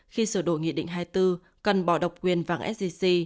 khi sửa đổi nghị định hai mươi bốn cần bỏ độc quyền vàng sgc